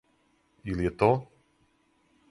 Или је то?